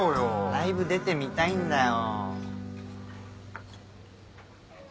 ライブ出てみたいんだよ。